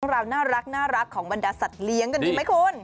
ราวน่ารักของบรรดาสัตว์เลี้ยงกันมั้ยคน